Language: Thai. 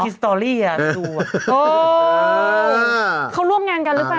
ตีสตอรี่อ่ะรู้อ่ะเขาร่วมงานกันรึเปล่า